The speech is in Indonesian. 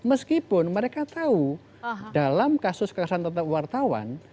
meskipun mereka tahu dalam kasus kekerasan terhadap wartawan